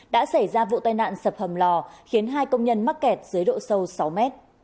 đã xảy ra vụ tai nạn sập hầm lò khiến hai công nhân mắc kẹt dưới độ sâu sáu mét